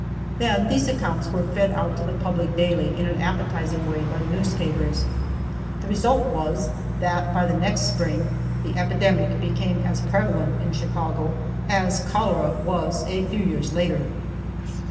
Then these accounts were fed out to the public daily in an appetizing way by the newspapers. The result was that by the next spring the epidemic became as prevalent in Chicago as cholera was a few years later.